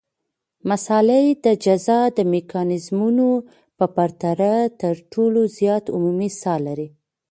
مصالحې د جزا د میکانیزمونو په پرتله تر ټولو زیات عمومي ساه لري.